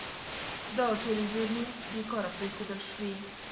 دا ټولې زیرمې بې کاره پرېښودل شوي.